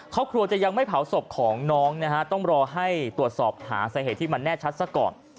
ครอบครัวจะยังไม่เผาศพของน้องนะฮะต้องรอให้ตรวจสอบหาสาเหตุที่มันแน่ชัดซะก่อน